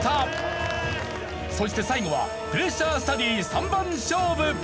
そして最後はプレッシャースタディ３番勝負！